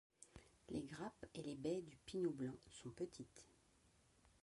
Les grappes et les baies du pinot blanc sont petites.